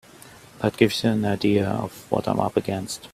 That gives you an idea of what I'm up against.